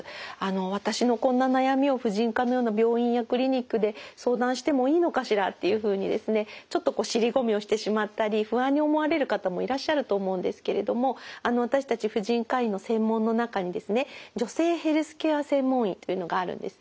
私のこんな悩みを婦人科のような病院やクリニックで相談してもいいのかしらっていうふうにですねちょっと尻込みをしてしまったり不安に思われる方もいらっしゃると思うんですけれども私たち婦人科医の専門の中にですね女性ヘルスケア専門医というのがあるんですね。